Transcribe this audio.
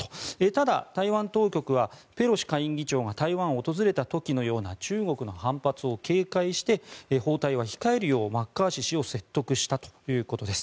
ただ、台湾当局はペロシ下院議長が台湾を訪れた時のような中国の反発を警戒して訪台は控えるようマッカーシー氏を説得したということです。